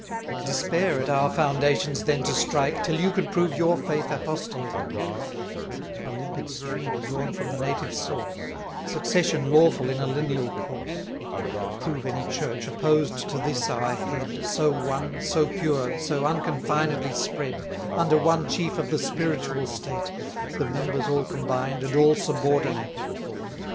Despair at our foundations then to strike, Till you can prove your faith Apostolic; A limpid stream drawn from the native source; Succession lawful in a lineal course. Prove any Church, opposed to this our head, So one, so pure, so unconfinedly spread, Under one chief of the spiritual state, The members all combined, and all subordinate.